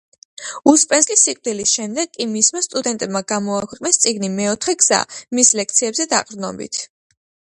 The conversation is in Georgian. უსპენსკის სიკვდილის შემდეგ კი მისმა სტუდენტებმა გამოაქვეყნეს წიგნი „მეოთხე გზა“, მის ლექციებზე დაყრდნობით.